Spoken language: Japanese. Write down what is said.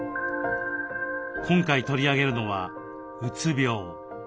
今回取り上げるのは「うつ病」。